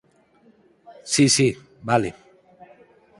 Si, si. Vale.